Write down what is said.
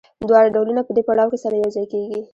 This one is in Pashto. دواړه ډولونه په دې پړاو کې سره یوځای کېږي